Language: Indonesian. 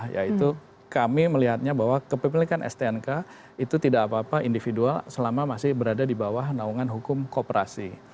yaitu kami melihatnya bahwa kepemilikan stnk itu tidak apa apa individual selama masih berada di bawah naungan hukum kooperasi